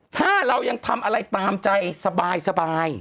ถ้าเรายังทำอะไรตามใจสบาย